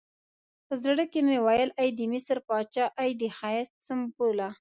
په زړه کې مې ویل ای د مصر پاچا، ای د ښایست سمبوله.